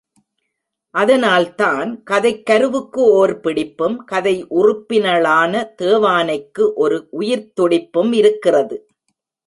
அதனால் தான், கதைக் கருவுக்கு ஓர் பிடிப்பும், கதை உறுப்பினளான தேவானைக்கு ஓர் உயிர்த்துடிப்பும் இருக்கிறது.